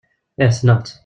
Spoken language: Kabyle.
Ih sneɣ-tt.